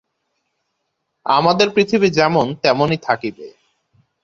আমাদের পৃথিবী যেমন তেমনই থাকিবে।